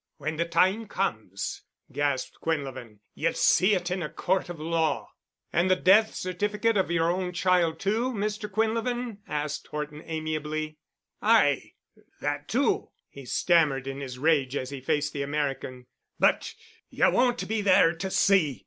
"When the time comes," gasped Quinlevin, "ye'll see it—in a court of law." "And the death certificate of your own child too, Mr. Quinlevin?" asked Horton amiably. "Ay—that too," he stammered in his rage as he faced the American, "but you won't be there to see.